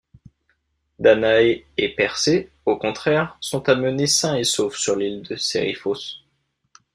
Danae et Persée au contraire sont amenés sains et saufs sur l'île de Sérifos.